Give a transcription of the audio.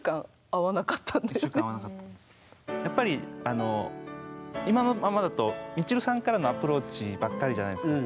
やっぱり今のままだとみちるさんからのアプローチばっかりじゃないですか。